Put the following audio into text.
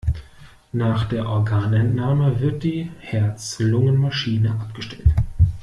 Nach der Organentnahme wird die Herz-Lungen-Maschine abgestellt.